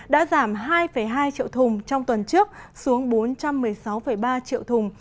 đã giảm hai hai triệu thùng trong tuần trước xuống bốn trăm một mươi sáu ba triệu thùng